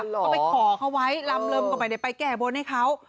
ก็ไปข่อเขาไว้ลำเลิมก็ไปแก่บนให้เขา